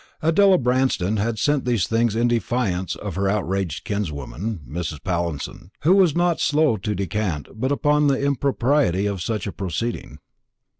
Adela Branston had sent these things in defiance of her outraged kinswoman, Mrs. Pallinson, who was not slow to descant upon the impropriety of such a proceeding.